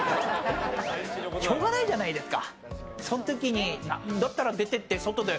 しょうがないじゃないですか。